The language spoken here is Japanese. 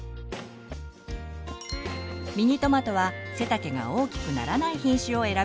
ミニトマトは背丈が大きくならない品種を選びましょう。